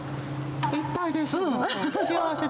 いっぱいです、もう。